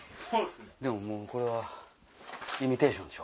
でもこれイミテーションでしょ。